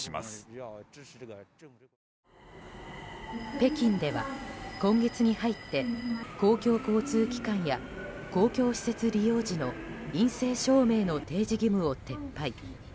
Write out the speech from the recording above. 北京では、今月に入って公共交通機関や公共施設利用時の陰性証明の提示義務を撤廃。